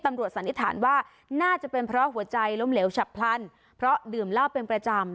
สันนิษฐานว่าน่าจะเป็นเพราะหัวใจล้มเหลวฉับพลันเพราะดื่มเหล้าเป็นประจำ